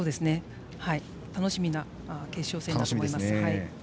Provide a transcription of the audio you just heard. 楽しみな決勝戦だと思います。